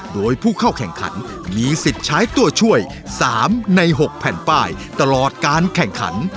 โดยผู้เข้าแข่งขันมีสิทธิ์ใช้ตัวช่วย๓ใน๖แผ่นป้ายตลอดการแข่งขัน